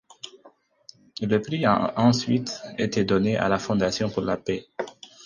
Le prix a ensuite été donné à la Fondation pour la Paix.